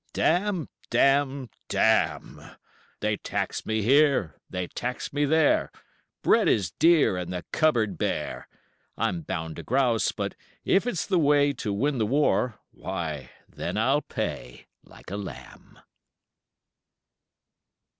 "Dam! Dam! Dam! They tax me here, they tax me there, Bread is dear and the cupboard bare, I'm bound to grouse, but if it's the way To win the war, why then I'll pay Like a lamb."